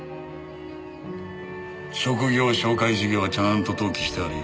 職業紹介事業はちゃんと登記してあるよ。